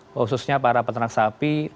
khususnya para peternak sapi